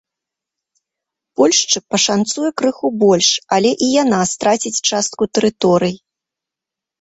Польшчы пашанцуе крыху больш, але і яна страціць частку тэрыторый.